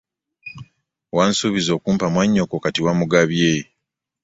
Wansuubiza okumpa mwannyoko kati wamugabye!